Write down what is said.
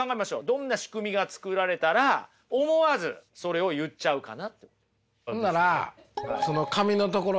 どんな仕組みが作られたら思わずそれを言っちゃうかな。